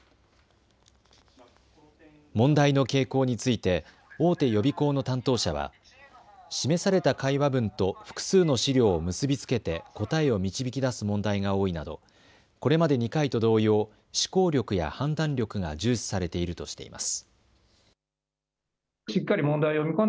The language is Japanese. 問題の傾向について大手予備校の担当者は示された会話文と複数の資料を結び付けて答えを導き出す問題が多いなどこれまで２回と同様思考力や判断力が重視されているとしています。